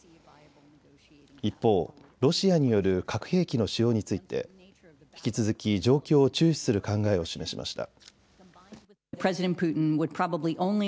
一方、ロシアによる核兵器の使用について引き続き状況を注視する考えを示しました。